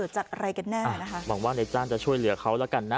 ใช่ค่ะ